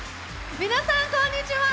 皆さんこんにちは！